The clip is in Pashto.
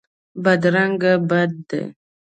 بدرنګي بد دی.